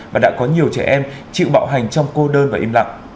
và đã có nhiều trẻ em chịu bạo hành trong cô đơn và im lặng